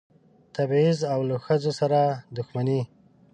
تبعیض او له ښځو سره دښمني.